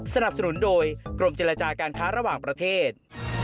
สนับสนุนโดยกรมเจรจาการค้าระหว่างประเทศ